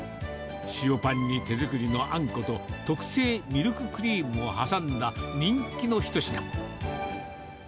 塩パンに手作りのあんこと、特製ミルククリームを挟んだ人気の一品。